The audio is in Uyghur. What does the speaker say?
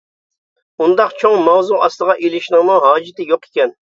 ئۇنداق چوڭ ماۋزۇ ئاستىغا ئېلىشنىڭمۇ ھاجىتى يوق ئىكەن.